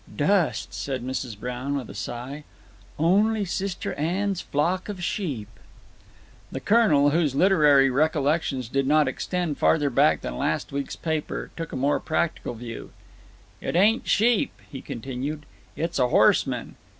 "Dust," said Mrs. Brown, with a sigh. "Only Sister Anne's 'flock of sheep.'" The Colonel, whose literary recollections did not extend farther back than last week's paper, took a more practical view. "It ain't sheep," he continued; "it's a horseman.